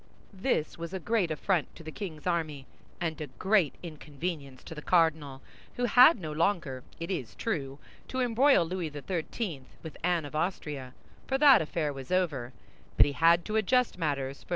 This was a great affront to the king's army, and a great inconvenience to the cardinal, who had no longer, it is true, to embroil Louis XIII. with Anne of Austria—for that affair was over—but he had to adjust matters for M.